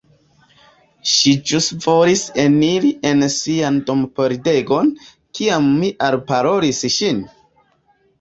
Ŝi ĵus volis eniri en sian dompordegon, kiam mi alparolis ŝin!